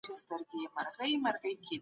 ارزښتونه وپېژنئ.